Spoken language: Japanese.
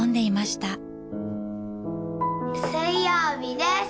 水曜日です。